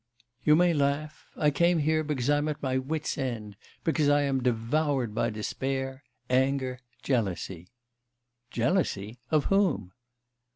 'You may laugh! I came here because I'm at my wits' end, because I am devoured by despair, anger, jealousy.' 'Jealousy? of whom?